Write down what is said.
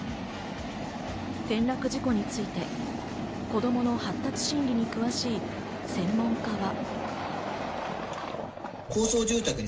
転落事故について、子供の発達心理に詳しい専門家は。